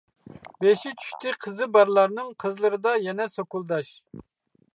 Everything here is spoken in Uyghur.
بېشى چۈشتى قىزى بارلارنىڭ، قىزلىرىدا يەنە سوكۇلداش.